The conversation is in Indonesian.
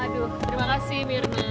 aduh terima kasih mirna